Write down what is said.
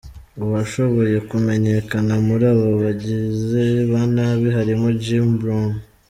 Uwashoboye kumenyekana muri aba bagizi ba nabi harimo Jim Broun.